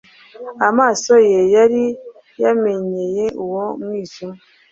Amaso ye yari yamenyeye uwo mwijima